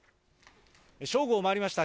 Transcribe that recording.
正午を回りました。